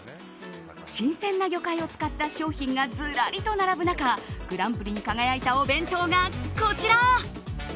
新鮮な魚介を使った商品がずらりと並ぶ中グランプリに輝いたお弁当がこちら。